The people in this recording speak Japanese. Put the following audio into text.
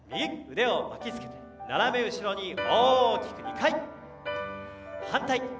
腕を巻きつけて斜め後ろに大きく２回。